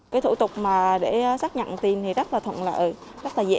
cái thủ tục mà để xác nhận tiền thì rất là thuận lợi rất là dễ